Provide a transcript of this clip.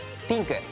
ピンク！